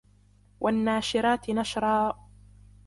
وَالنَّاشِرَاتِ نَشْرًا